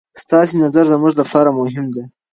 ستاسې نظر زموږ لپاره مهم دی.